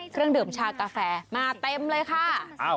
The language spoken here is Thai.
เครื่องดื่มชากาแฟมาเต็มเลยค่ะ